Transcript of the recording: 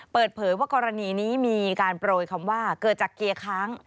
เปิดเผยว่ากรณีนี้มีการโปรยคำว่าเกิดจากเกียร์ค้าง